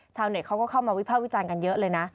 เน็ตเขาก็เข้ามาวิภาควิจารณ์กันเยอะเลยนะ